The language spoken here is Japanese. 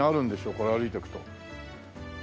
これ歩いて行くと。